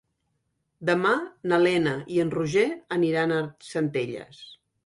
Demà na Lena i en Roger aniran a Centelles.